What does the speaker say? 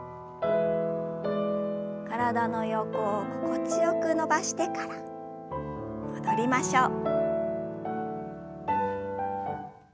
体の横を心地よく伸ばしてから戻りましょう。